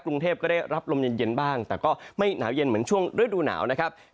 กรุงเทพก็ได้รับลมเย็นบ้างแต่ก็ไม่หนาวเย็นเหมือนช่วงฤดูหนาวนะครับ